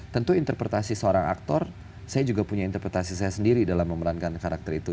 tentu interpretasi seorang aktor saya juga punya interpretasi saya sendiri dalam memerankan karakter itu